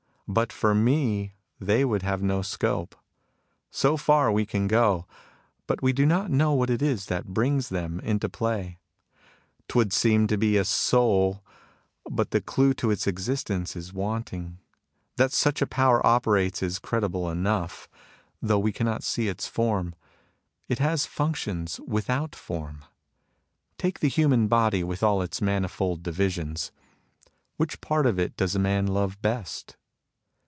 But for me, they would have no scope. So far we can go ; but we do not know what it is that brings them into play. 'Twould seem to be a 8(ml ; but the clue to its existence is wanting^ That such a power operates is credible enough, 44 MUSINGS OF A CHINESE MYSTIC though we cannot see its form. It has functions without form. " Take the human body with all its manifold divisions. Which part of it does a man love best